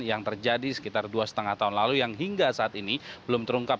yang terjadi sekitar dua lima tahun lalu yang hingga saat ini belum terungkap